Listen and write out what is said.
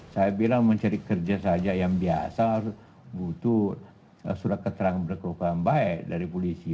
saya bilang mencari kerja saja yang biasa harus butuh surat keterangan berkeluargaan baik dari polisi